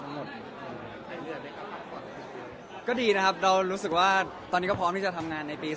เป็นแพนที่ตั้งใจไว้อยู่แล้วว่าอยากจะไปกับแมนเราแบบนี้